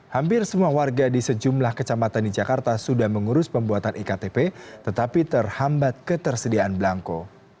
hampir semua warga di sejumlah kecamatan di jakarta sudah mengurus pembuatan iktp tetapi terhambat ketersediaan belangko